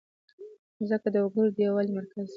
مځکه د وګړو د یووالي مرکز ده.